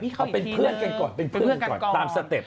เป็นเพื่อนกันก่อนตามสเต็ป